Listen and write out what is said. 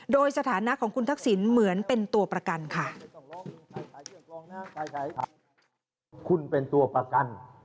โดยสถานะของคุณทักษิณเหมือนเป็นตัวประกันค่ะ